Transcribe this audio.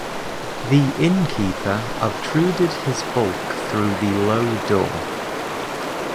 The innkeeper obtruded his bulk through the low door.